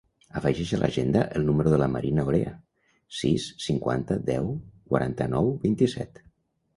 Afegeix a l'agenda el número de la Marina Orea: sis, cinquanta, deu, quaranta-nou, vint-i-set.